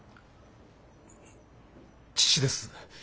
父です。